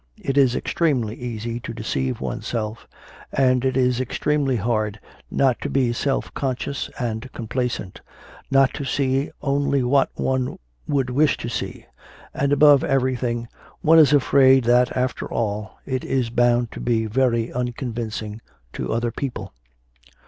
It is extremely easy to deceive oneself, and it is extremely hard not to be self conscious and complacent, not to see only what one would wish to see; and, above everything, one is afraid that, after all, it is bound to be very unconvincing to other people.